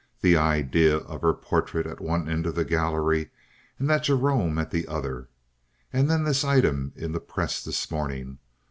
The idea of her portrait at one end of the gallery and that Gerome at the other! And then this item in the Press this morning!